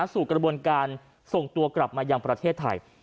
สู่กระบวนการส่งตัวกลับมายังประเทศไทย